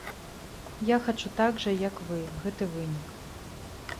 Я хачу так жа, як вы, гэты вынік.